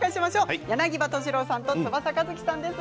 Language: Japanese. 柳葉敏郎さんと翼和希さんです。